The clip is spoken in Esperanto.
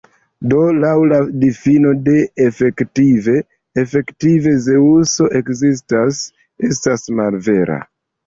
Do laŭ la difino de "efektive", "Efektive Zeŭso ekzistas" estas malvera.